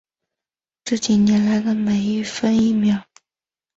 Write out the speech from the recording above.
这几年来的每一分一秒